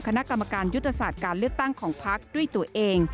คณะกรรมการยุทธศาสตร์การเลือกตั้งของพักด้วยตัวเอง